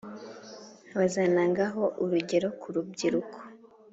Bazantangaho urugero ku rubyiruko